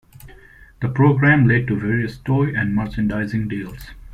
The program led to various toy and merchandising deals.